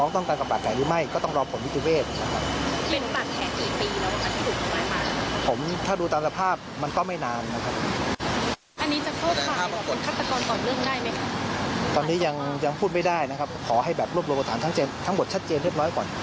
ตอนนี้ยังพูดไม่ได้นะครับขอให้แบบรวบรวมประฐานทั้งหมดชัดเจนเรียบร้อยก่อน